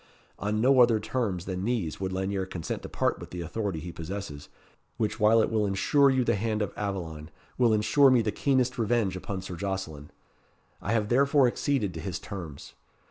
On no other terms than these would Lanyere consent to part with the authority he possesses, which while it will ensure you the hand of Aveline, will ensure me the keenest revenge upon Sir Jocelyn. I have therefore acceded to his terms.